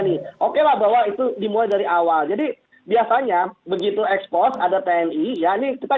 nih okelah bahwa itu dimulai dari awal jadi biasanya begitu ekspor ada tni ya nih kita